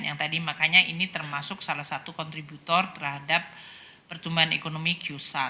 yang tadi makanya ini termasuk salah satu kontributor terhadap pertumbuhan ekonomi q satu